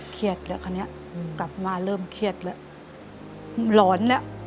เครียดแล้วคราวนี้กลับมาเริ่มเครียดแล้วหลอนแล้ว